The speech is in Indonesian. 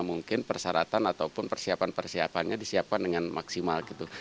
mungkin persyaratan ataupun persiapan persiapannya disiapkan dengan maksimal gitu